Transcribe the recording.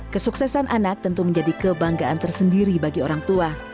kesuksesan anak tentu menjadi kebanggaan tersendiri bagi orang tua